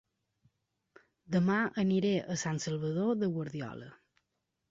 Dema aniré a Sant Salvador de Guardiola